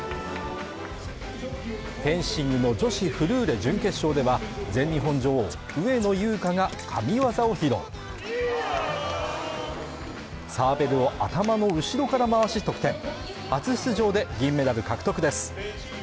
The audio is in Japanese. フェンシングの女子フルーレ準決勝では全日本女王上野優佳が神業を披露サーベルを頭の後ろから回し得点初出場で銀メダル獲得です